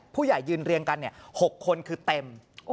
ผู้ใหญ่ยืนเรียงกัน๖คนคือเต็ม